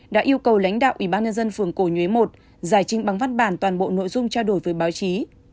đã yêu cầu lãnh đạo ủy ban nhân dân phường cổ nhuế một giải trình bằng văn bản toàn bộ nội dung trao đổi với báo chí